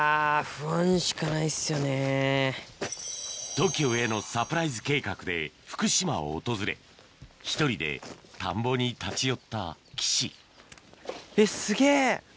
ＴＯＫＩＯへのサプライズ計画で福島を訪れ１人で田んぼに立ち寄った岸えっすげぇ！